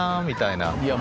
みたいな。